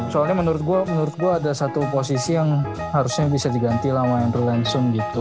soalnya menurut gue menurut gue ada satu posisi yang harusnya bisa diganti sama andre lansum gitu